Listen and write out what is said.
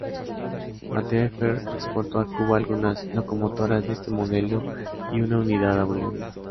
Materfer exportó a Cuba algunas locomotoras de este modelo y una unidad a Bolivia.